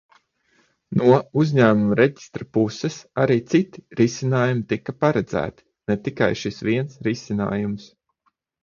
No Uzņēmumu reģistra puses arī citi risinājumi tika paredzēti, ne tikai šis viens risinājums.